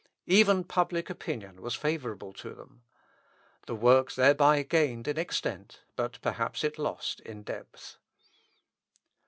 Even public opinion was favourable to them. The work thereby gained in extent, but perhaps it lost in depth.